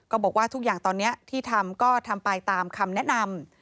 บอกว่าทุกอย่างตอนนี้ที่ทำก็ทำไปตามคำแนะนำ